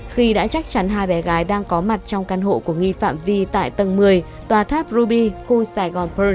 khi đã chắc chắn hai bé gái đang có mặt trong căn hộ của nghi phạm vy tại tầng một mươi tòa tháp ruby khu saigon pearl